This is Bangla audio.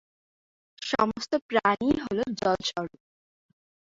সমস্ত প্রাণী-ই হলো জলস্বরূপ।